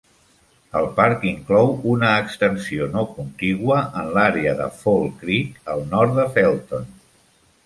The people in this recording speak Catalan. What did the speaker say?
El parc inclou una extensió no contigua en l'àrea de Fall Creek, al nord de Felton.